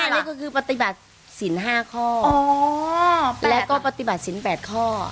๕นี่ก็คือปฏิบัติสิน๕ข้อและก็ปฏิบัติสิน๘ข้อ